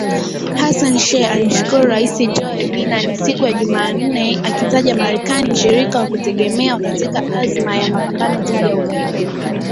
Hassan Sheikh alimshukuru Rais Joe Biden siku ya Jumanne, akiitaja Marekani “mshirika wa kutegemewa katika azma ya mapambano dhidi ya ugaidi”